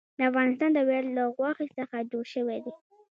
د افغانستان طبیعت له غوښې څخه جوړ شوی دی.